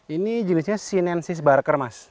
ini jenisnya cinensis baker mas